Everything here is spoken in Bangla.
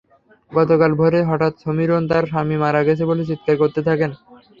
গতকাল ভোরে হঠাৎ ছমিরন তাঁর স্বামী মারা গেছে বলে চিৎকার করতে থাকেন।